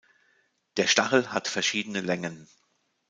Der Stachel hat verschiedene Längen.